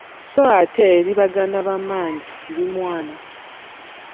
Sso ate eri Baganda ba mmange ndi mwana.